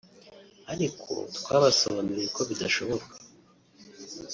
ariko twabasobanuriye ko bidashoboka